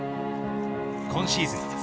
今シーズン